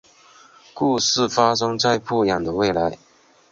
故事发生在不远的未来。